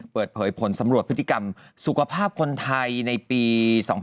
เปิดเผยผลสำรวจพฤติกรรมสุขภาพคนไทยในปี๒๕๕๙